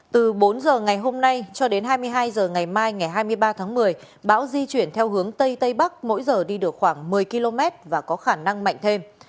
từ bốn h ngày hôm nay cho đến hai mươi hai h ngày mai ngày hai mươi ba tháng một mươi bão di chuyển theo hướng tây tây bắc mỗi giờ đi được khoảng một mươi km và có khả năng mạnh thêm